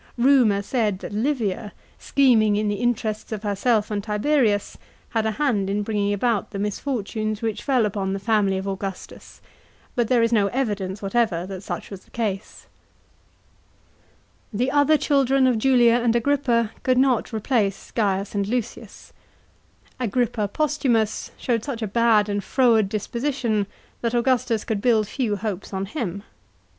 Rumour said that Livia, scheming in the interests of herself and Tiberius, had a hand in bringing about the misfortunes which fell upon the family of Augustas; but there is no evidence whatever that such was the case. The other children of Julia and Agrippa could not replace Baius 54 THE FAMILY OF AUGUSTUS. CHAP, iv and Lucius. Agrippa Postutnus showed such a bad and froward disposition that Augustus could build few hopes on him.